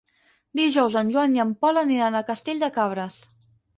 Dijous en Joan i en Pol aniran a Castell de Cabres.